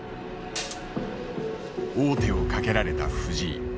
王手をかけられた藤井。